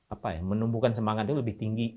apa ya menumbuhkan semangat itu lebih tinggi